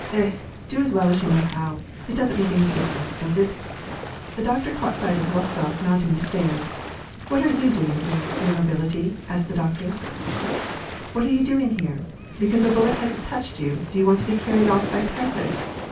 "Eh ! do as well as you know how! It doesn't make any difference, does it ?" The doctor caught sight of Rostof mount ing the stairs. " What are you doing here, your nobility ?" asked the doctor. " What are joxx doing here ? Because a ballet hasn't touched you, do you want to be carried off by typhus